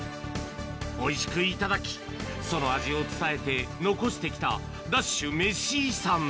おいしく頂き、その味を伝えて、残してきたＤＡＳＨメシ遺産。